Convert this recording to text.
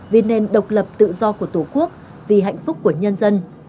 vì nền độc lập tự do của tổ quốc vì hạnh phúc của nhân dân